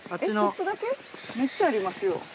めっちゃありますよ。